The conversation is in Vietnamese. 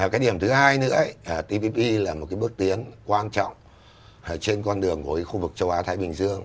cái điểm thứ hai nữa tpp là một cái bước tiến quan trọng trên con đường của khu vực châu á thái bình dương